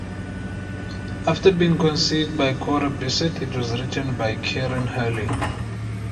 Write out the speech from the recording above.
After being conceived by Cora Bissett, it was written by Kieran Hurley.